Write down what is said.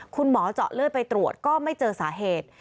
คุณหมอเจาะเลือดไปตรวจก็ไม่เจอสาเหตุ